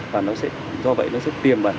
và do vậy nó rất tiềm bản